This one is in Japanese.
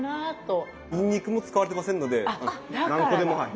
にんにくも使われてませんので何個でもはい。